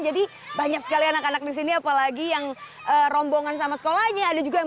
jadi banyak sekali anak anak di sini apalagi yang rombongan sama sekolahnya ada juga yang